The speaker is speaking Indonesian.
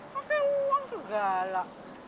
pakai uang segala